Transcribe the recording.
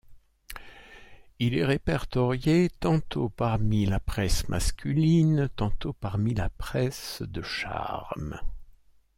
Il est répertorié, tantôt parmi la presse masculine, tantôt parmi la presse de charme.